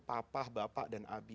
papa bapak dan abi